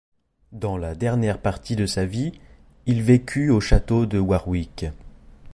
Dans la dernière partie de sa vie, il vécut au château de Warwick.